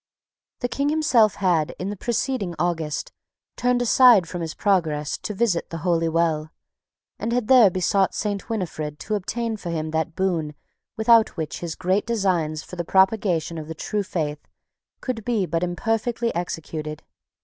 The King himself had, in the preceding August, turned aside from his progress to visit the Holy Well, and had there besought Saint Winifred to obtain for him that boon without which his great designs for the propagation of the true faith could be but imperfectly executed.